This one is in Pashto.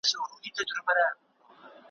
د مولوي د خندا کړس نه اورم `